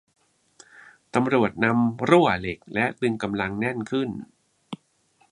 ตำรวจนำรั่วเหล็กและตึงกำลังแน่นขึ้น